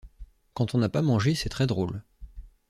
Quand on n’a pas mangé, c’est très drôle.